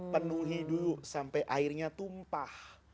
penuh hidup sampai airnya tumpah